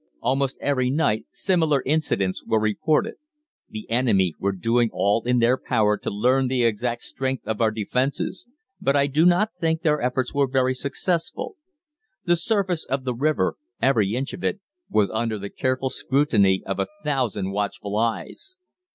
"Almost every night similar incidents were reported. The enemy were doing all in their power to learn the exact strength of our defences, but I do not think their efforts were very successful. The surface of the river, every inch of it, was under the careful scrutiny of a thousand watchful eyes.